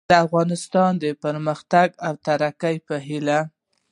د افغانستان د پرمختګ او ترقي په هیله